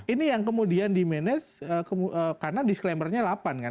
ini yang kemudian dimanage karena disclaimer nya delapan kan